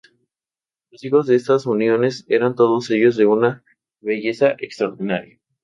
Los hijos de estas uniones eran todos ellos de una belleza extraordinaria.